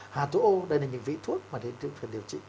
hà tu ô đây là những vi thuốc mà được điều trị